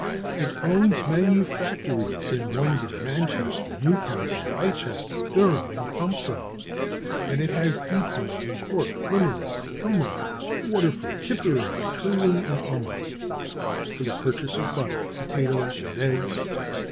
"It owns manufactories in London, Manchester, Newcastle, Leicester, Durham, and Crumpsall; and it has depots in Cork, Limerick, Kilmallock, Waterford, Tipperary, Tralee, and Armagh, for the purchase of butter, potatoes, and eggs.